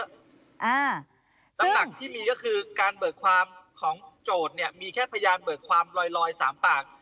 สำหรับที่มีก็คือการเบิกความของโจทย์เนี่ยมีแค่พยานเบิกความลอยลอย๓ปาก